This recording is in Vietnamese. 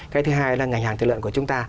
cái thứ hai là ngành hàng tiền lợi của chúng ta